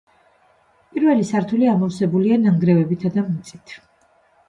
პირველი სართული ამოვსებულია ნანგრევებითა და მიწით.